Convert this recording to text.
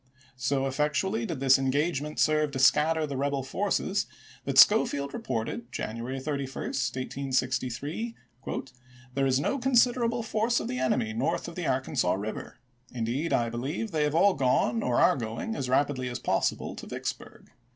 So effectually did this engagement serve to scatter the rebel forces that Schofield reported January 31, 1863, " There is no considerable force of the enemy north of the Arkansas River; indeed I believe they have all gone or are going, as rapidly as possible, to Vicksburg.